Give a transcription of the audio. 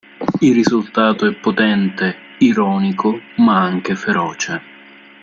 Il risultato è potente, ironico, ma anche feroce.